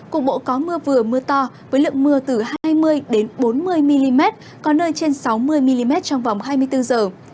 cục bộ có mưa vừa mưa to với lượng mưa từ hai mươi bốn mươi mm có nơi trên sáu mươi mm trong vòng hai mươi bốn giờ